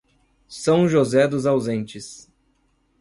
São José dos Ausentes